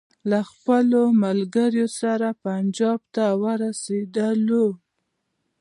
له خپلو ملګرو سره پنجاب ته ورسېدلو.